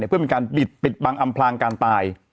เพื่อเป็นการบิดปิดบังอำพลางการตาย